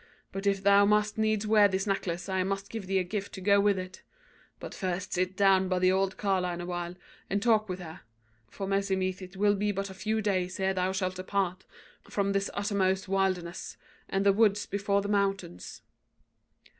But if thou must needs wear this necklace, I must give thee a gift to go with it. But first sit down by the old carline awhile and talk with her; for meseemeth it will be but a few days ere thou shalt depart from this uttermost wilderness, and the woods before the mountains.'